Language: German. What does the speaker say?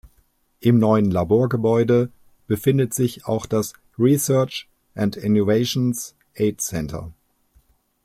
Im neuen Laborgebäude befindet sich auch das "Research and Innovations Aide Centre.